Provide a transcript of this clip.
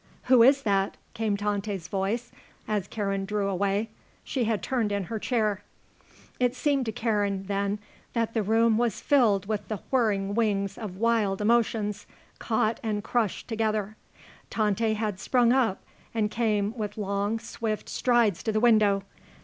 "Who is that?" came Tante's voice, as Karen drew away. She had turned in her chair. It seemed to Karen, then, that the room was filled with the whirring wings of wild emotions, caught and crushed together. Tante had sprung up and came with long, swift strides to the window.